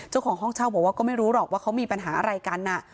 เจ้าของห้องเช่าบอกว่าก็ไม่รู้หรอกว่าเขามีปัญหาอะไรกัน